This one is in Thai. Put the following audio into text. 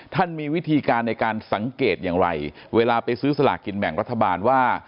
มีวิธีการในการสังเกตอย่างไรเวลาไปซื้อสลากกินแบ่งรัฐบาลว่า